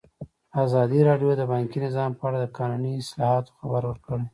ازادي راډیو د بانکي نظام په اړه د قانوني اصلاحاتو خبر ورکړی.